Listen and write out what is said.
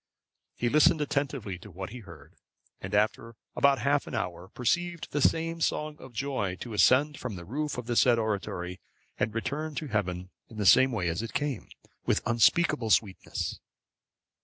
He listened attentively to what he heard, and after about half an hour, perceived the same song of joy to ascend from the roof of the said oratory, and to return to heaven in the same way as it came, with unspeakable sweetness.